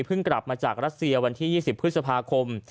กลับมาจากรัสเซียวันที่๒๐พฤษภาคม